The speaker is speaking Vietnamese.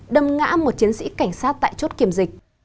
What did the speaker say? đâm ngã một chiến sĩ cảnh sát tại chốt kiểm dịch